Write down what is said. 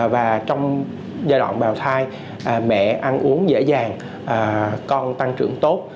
và trong giai đoạn bào thai mẹ ăn uống dễ dàng con tăng trưởng tốt